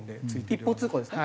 一方通行ですね。